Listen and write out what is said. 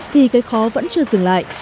thì cây khó vẫn chưa dừng lại